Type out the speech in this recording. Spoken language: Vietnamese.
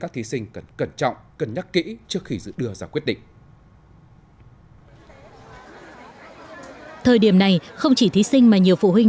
thời điểm này không chỉ thí sinh mà nhiều phụ huynh